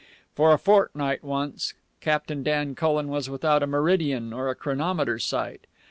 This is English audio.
For a fortnight, once, Captain Dan Cullen was without a meridian or a chronometer sight.